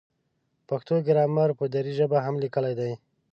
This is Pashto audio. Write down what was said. پښتو ګرامر په دري ژبه هم لیکلی دی.